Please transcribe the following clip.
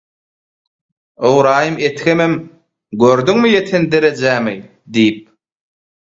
Ybraýym Edhemem “Gördüňmi ýeten derejämi?” diýip